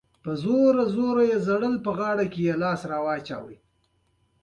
ازادي راډیو د کډوال د اغیزو په اړه مقالو لیکلي.